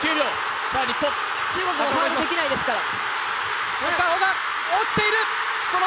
中国もファウルできないですから。